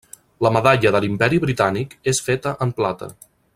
La Medalla de l'Imperi Britànic és feta en plata.